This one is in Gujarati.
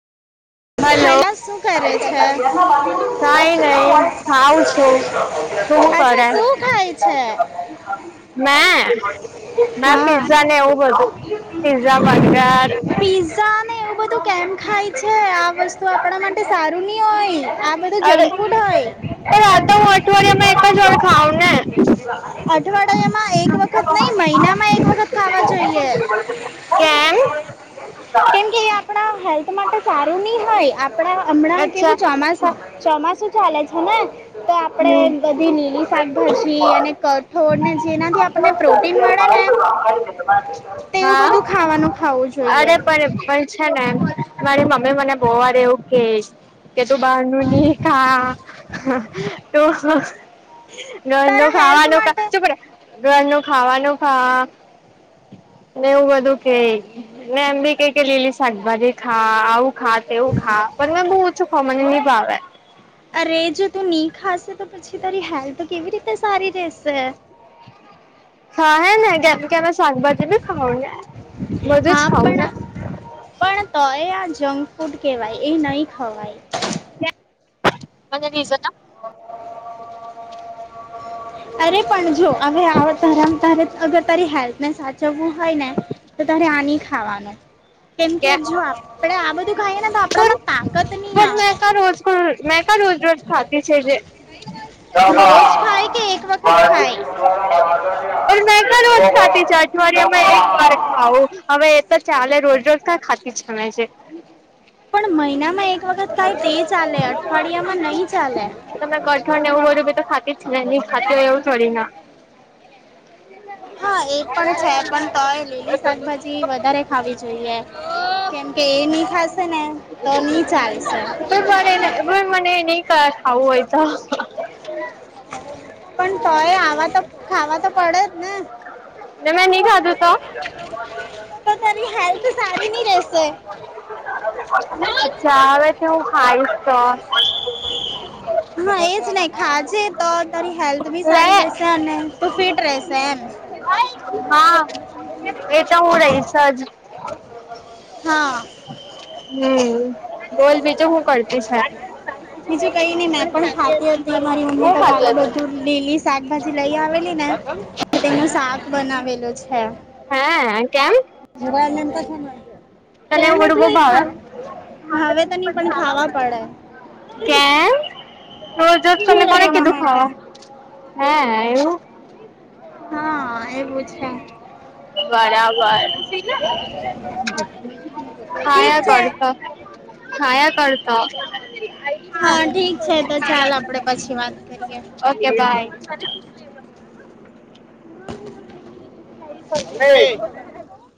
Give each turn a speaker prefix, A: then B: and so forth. A: હલો
B: શુ કરે છે
A: કઈ નઈ ખાઉ છું શું
B: [inaudible] અચ્છા
A: કરે
B: શું ખાય છે
A: મે મે પીઝા
B: હા
A: ને એવું બધું પિઝ્ઝા બર્ગર
B: પિઝા ને એવું બધું કેમ ખાય છે આ વસ્તુ આપણા માટે સારું ની હોય આ એ તો
A: અરે
B: જંક ફૂડ હોય
A: પણ આ તો હું અઠવાડિયામાં એક જ વાર ખાઉં ને
B: [inaudible] અઠવાડિયામાં એક વખત નહી મહિનામાં એક વખત ખાવા જોઈએ
A: કેમ
B: કેમકે એ આપણા હેલ્થ માટે સારું ની હોય આપણા હમણાં
A: અચ્છા
B: કેવું ચોમાસું ચોમાસું ચાલે છે ને તો
A: હમ
B: આપણેે બધી લીલી શાકભાજી અને ક થોડને જેનાથી આપણને પ્રોટીન મળે ને તેવું
A: હા
B: બધું ખાવાનું ખાવું છ
A: અરે પણ પણ છે ને એમ મારી મમ્મી મને બોહ વાર એવું કે કે તું બારણું ની ખા તું ઘર નો
B: તારા હેલ્થ
A: ખાવાનું
B: માટે
A: ચૂપ રે ઘર નુ ખાવાનું ખા ને એવું બધું કે ને એમ બી કઈ કે લીલી શાકભાજી ખાઆવું ખા તેવું ખા પણ મેં બહુ ઓછું ખા મને નહી ભાવે.
B: અરે જો તું નહી ખાશે તો પછી તારી હેલ્થ કેવી રીતે સારી રેશે?
A: હા હે ને કે કેમે શાકભાજી બી ખાવ ને બધું જ
B: હા
A: ખાવં ને.
B: પણ પણ તો એ આ જંક ફૂડ કહેવાય એ નહી ખવાય.
A: [inaudible]
B: અરે પણ જો હવે આવ તારાં તારી હેલ્પ ને સા ચવું હોય ને તો તરે આ નહીં ખાવાનું. કેમકે
A: કે
B: જો આપડે આ બધું ખાઈએ ને તો આપણામાં
A: પણ
B: તાકત
A: પણ
B: નહી આવે.
A: મેં [unintelligible] રોજ રોજ ખાતી છે, જે [unintelligible] [inaudible]
B: રોજ ખાય કે એક વખત ખાય
A: [unintelligible] હવે એ તો ચાલે રોજ રોજ ક ખાતી જ [unintelligible] છે.
B: પણ મહિનામાં એક વખત કઈ તે ચાલે અઠવાડિયા માં નહી ચાલે.
A: તમે કઠોણને એવું બ્યું બી તો ખાતી જ નહી ખાતી હોય એવું ખાતી એવું થોડી ના
B: હા, એ પણ છે પણ તોય લીલી શાકભાજી વધારે ખાવી જોઈએ. કેમ કે એ ની થાશે ને તો ની ચાલશે. [unintelligible]
A: ને એ નઈ ક ખાવું હોય તો
B: પણ તોય આવા તો ખાવા તો પડે જ ને
A: ને મેં ની ખાદુ તો.
B: તો તેની હેલ્પ.
A: [unintelligible] તો હું ખાઈશ તો. [inaudible]
B: હા એજ નહી ખાજે તો તારી હેલ્થ બી સારી રશે
A: લે
B: અને તું ફિટ રેશે.
A: હા એ તો હું રહીશજ.
B: હા.
A: હમ બોલ બીજું હું કરતી [unintelligible]
B: બીજું કઈ નને મેં
A: પણ
B: પણ
A: ખાતી
B: હાતી હતી મારી મમ્મી
A: હું
B: તો કાલે
A: ખાતી હતી
B: બધું. લીલી શાકભાજી લઈ આવેલી ને તો તેનું શાક બનાવેલું છે.
A: હે કેમ
B: [inaudible]
A: તને
B: કેમ
A: એવું બધું બહુ
B: એટલે
A: ભાવે
B: [unintelligible] હવે તો નહી પણ ખાવા પડે.
A: કેજ કો
B: ફિટ રહેવા
A: કીધું
B: માટે.
A: ખાવા [unintelligible]
B: હા એવું છે.
A: બરાબર.
B: ઠીક છે.
A: [unintelligible] [unintelligible]
B: હા ઠીક છે તો ચાલ આપડે
A: ઓકે
B: પછી વાત કરીએ.
A: બાય.
B: [unintelligible]
A: [inaudible]